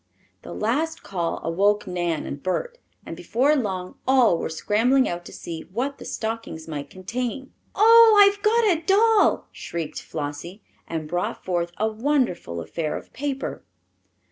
The last call awoke Nan and Bert, and before long all were scrambling out to see what the stockings might contain. "Oh, I've got a doll!" shrieked Flossie, and brought forth a wonderful affair of paper.